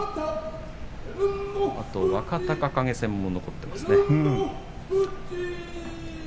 あとは若隆景戦も残っていますね。